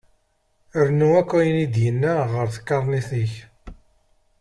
Rnu akk ayen i d-yenna ar tkaṛnit-ik.